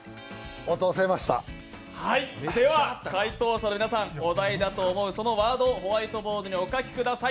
では解答者の皆さん、お題だと思うワードをホワイトボードにお書きください